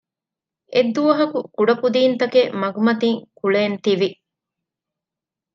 އެއްދުވަހަކު ކުޑަކުދީންތަކެއް މަގުމަތީ ކުޅޭން ތިވި